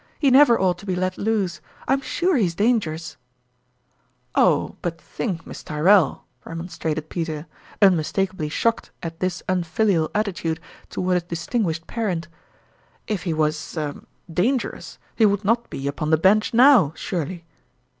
He never ought to be let loose ; I'm sure he's dangerous !"" Oh ! but think, Miss Tyrrell," remonstrated Peter, unmistakably shocked at this unfilial attitude toward a distinguished parent ;" if he was er dangerous, he would not be upon the Bench now, surely